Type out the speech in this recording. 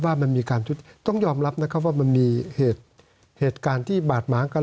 ว่ามันมีการชุดต้องยอมรับนะครับว่ามันมีเหตุการณ์ที่บาดหมางกัน